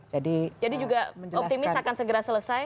jadi juga optimis akan segera selesai